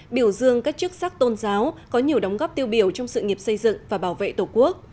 biểu dương các chức sắc tôn giáo có nhiều đóng góp tiêu biểu trong sự nghiệp xây dựng và bảo vệ tổ quốc